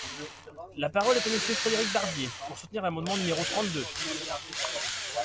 La parole est à Monsieur Frédéric Barbier, pour soutenir l’amendement numéro trente-deux.